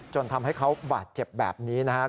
จนทำให้เขาบาดเจ็บแบบนี้นะครับ